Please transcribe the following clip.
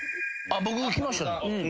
僕きました。